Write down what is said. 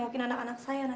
pokoknya pada saat ini